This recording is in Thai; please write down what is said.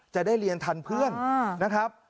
จะได้เรียนทันเพื่อนนะครับ